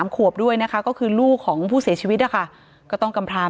ขวบด้วยนะคะก็คือลูกของผู้เสียชีวิตนะคะก็ต้องกำพราม